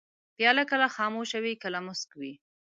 پیاله کله خاموشه وي، کله موسک وي.